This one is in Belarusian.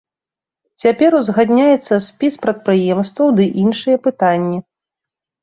Цяпер узгадняецца спіс прадпрыемстваў ды іншыя пытанні.